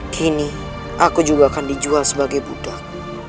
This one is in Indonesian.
kini aku juga akan dijual sebagai budak